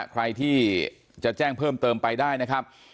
ใครที่จะแจ้งเพิ่มเติมไปได้นะครับ